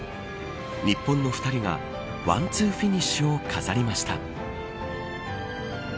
日本の２人がワンツーフィニッシュを飾りました。